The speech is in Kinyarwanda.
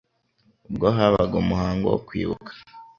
ubwo habaga umuhango wo kwibuka